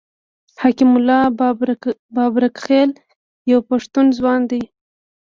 حکیم الله بابکرخېل یو پښتون ځوان دی.